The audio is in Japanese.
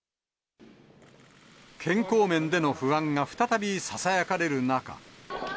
健康面での不安が再びささやかれる中。